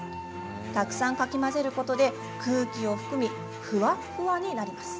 たくさんかき混ぜることで空気を含みふわふわに。